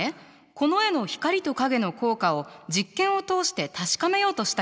この絵の光と影の効果を実験を通して確かめようとした人たちがいるの。